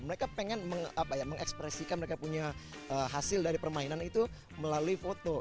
mereka pengen mengekspresikan mereka punya hasil dari permainan itu melalui foto